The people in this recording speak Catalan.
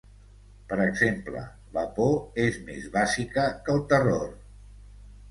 Per exemple, la por és més bàsica que el terror.